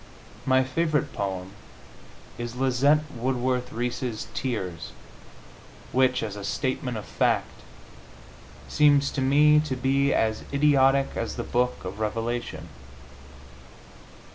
My favorite poem is Lizette Woodworth Reese's "Tears," which, as a statement of fact, seems to me to be as idiotic as the Book of Revelation.